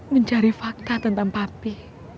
mencari fakta tentang papi